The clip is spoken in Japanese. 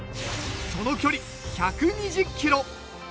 その距離１２０キロ。